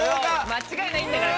間違いないんだから。